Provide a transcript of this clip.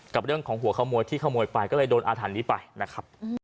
กับเรื่องของหัวขโมยที่ขโมยไปก็เลยโดนอาถรรพ์นี้ไปนะครับ